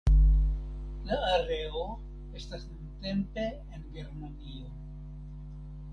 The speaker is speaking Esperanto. La areo estas nuntempe en Germanio.